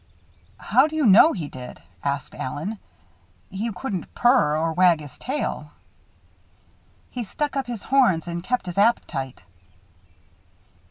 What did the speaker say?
"How do you know he did?" asked Allen. "He couldn't purr or wag his tail." "He stuck up his horns and kept his appetite."